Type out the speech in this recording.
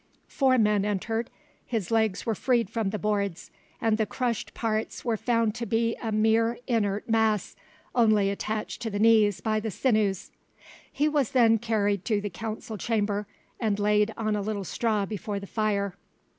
Four men entered, his legs were freed from the boards, and the crushed parts were found to be a mere inert mass, only attached to the knees by the sinews. He was then carried to the council chamber, and laid on a little straw before the fire.